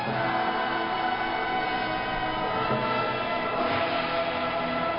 อาเมนอาเมน